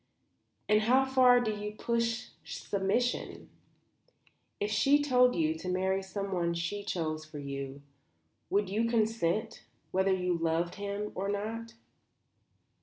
"And how far do you push submission? If she told you to marry someone she chose for you, would you consent, whether you loved him or not?"